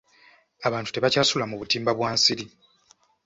Abantu tebakyasula mu butimba bwa nsiri.